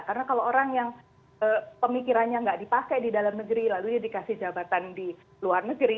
karena kalau orang yang pemikirannya nggak dipakai di dalam negeri lalu dia dikasih jabatan di luar negeri